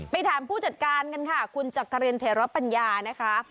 ไปถามผู้จัดการกันค่ะคุณจักรินเทรปัญญานะคะ